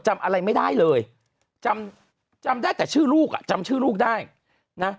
จำอะไรไม่ได้เลยจำจำได้แต่ชื่อลูกอ่ะจำชื่อลูกได้นะ